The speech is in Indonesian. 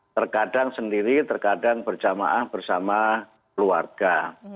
terkadang sendiri terkadang berjamaah bersama keluarga